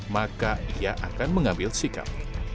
maka ia akan mengambil sikap